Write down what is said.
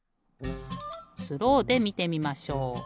スローでみてみましょう。